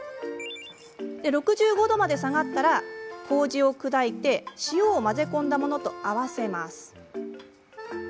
６５度まで下がったらこうじを砕いて塩を混ぜ込んだものと合わせます。